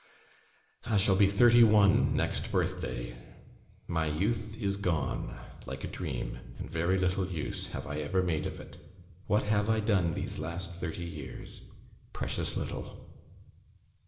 I shall be thirty one next birthday. My youth is gone like a dream; and very little use have I ever made of it. What have I done these last thirty years? Precious little."